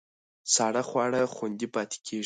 ساړه خواړه خوندي پاتې کېږي.